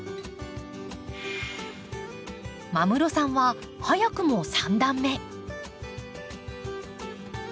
間室さんは早くも３段目。